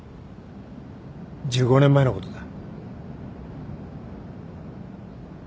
１５年前のことだ。